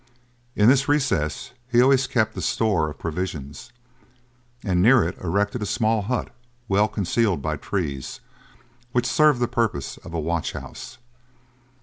In this recess he always kept a store of provisions, and near it erected a small hut, well concealed by trees, which served the purpose of a watch house.